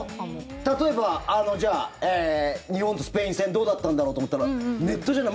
例えば、じゃあ日本とスペイン戦どうだったんだろうと思ったらネットじゃない。